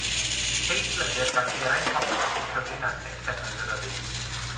Teithlyfr gan Geraint Thomas yw Cyfrinachau Llynnoedd Eryri.